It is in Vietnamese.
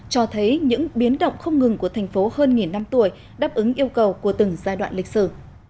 cho thấy những biến động không ngừng của thành phố hơn nghìn năm tuổi đáp ứng yêu cầu của từng giai đoạn lịch sử